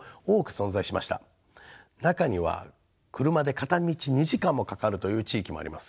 中には車で片道２時間もかかるという地域もあります。